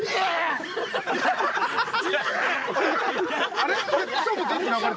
あれ？